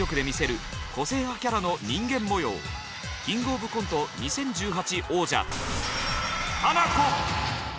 「キングオブコント２０１８」王者。